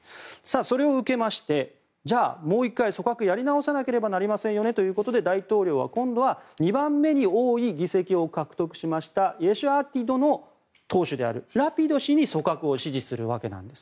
それを受けましてじゃあ、もう１回組閣やり直さないといけませんよねということで大統領は今度２番目に多い議席を獲得したイェシュアティドの党首であるラピド氏に指示するわけです。